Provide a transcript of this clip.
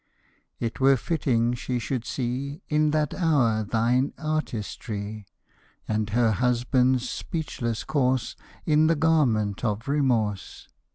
It were fitting she should see In that hour thine artistry, And her husband's speechless corse In the garment of remorse!